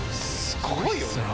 すごいよね。